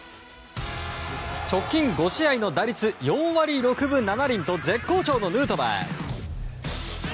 直近５試合の打率４割６分７厘と絶好調のヌートバー。